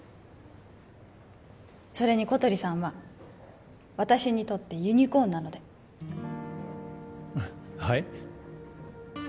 それに小鳥さんは私にとってユニコーンなのではい？